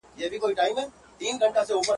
د نارينه خبره يوه وي.